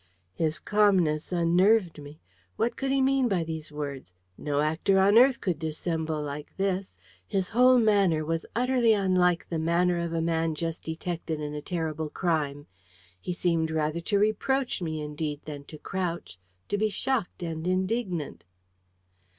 His calmness unnerved me. What could he mean by these words? No actor on earth could dissemble like this. His whole manner was utterly unlike the manner of a man just detected in a terrible crime. He seemed rather to reproach me, indeed, than to crouch; to be shocked and indignant.